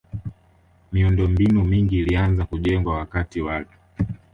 miundombinu mingi ilianza kujengwa wakati wake